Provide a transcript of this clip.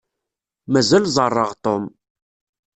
Mazal ẓeṛṛeɣ Tom.